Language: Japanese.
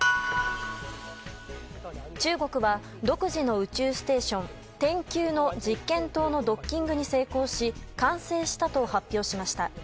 中国は独自の宇宙ステーション天宮の実験棟のドッキングに成功し完成したと発表しました。